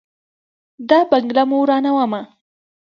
دا بنګله مو ورانومه.